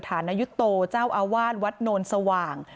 ฐานยุโตเจ้าอาวาสวัดโนนสว่าง